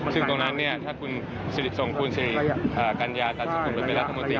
ซึ่งตรงนั้นถ้าคุณสิริส่งคุณสิริกัญญาตันสกุลหรือเป็นรัฐมนตรี